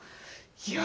いや